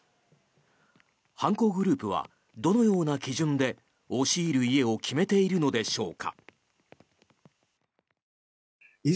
犯行グループはどのような基準で押し入る家を決めているのでしょうか。